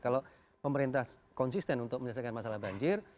kalau pemerintah konsisten untuk menyelesaikan masalah banjir